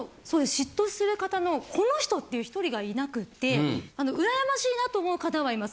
嫉妬する方のこの人っていう１人がいなくて羨ましいなと思う方はいます。